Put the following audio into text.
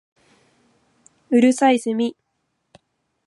五月蠅いセミ